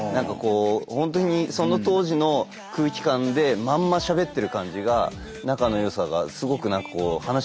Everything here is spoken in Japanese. ほんとにその当時の空気感でまんましゃべってる感じが仲の良さがすごくなんかこう話してて伝わってきましたね。